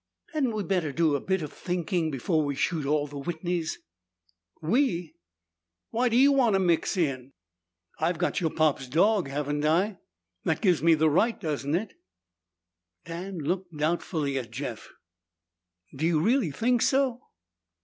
"Hadn't we better do a bit of thinking before we shoot all the Whitneys?" "We? Why do you want to mix in?" "I've got your pop's dog, haven't I? That gives me the right, doesn't it?" Dan looked doubtfully at Jeff. "Do you really think so?"